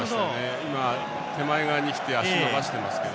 今、手前側に来て足を伸ばしていますが。